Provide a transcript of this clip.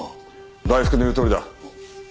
大福の言うとおりだ。